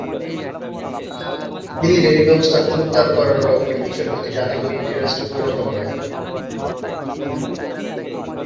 Military ব্যবস্থা জোরদার করার লক্ষ্যে মিশরকে তিনি আধুনিক একটি রাষ্ট্রে পরিণত করেন।